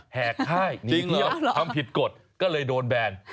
แหกค่ายทีเดียวทำผิดกฎก็เลยโดนแบน